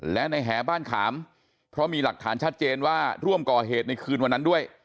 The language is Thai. และในแหบ้านขามเพราะมีหลักฐานชัดเจนว่าร่วมก่อเหตุในคืนวันนั้นด้วย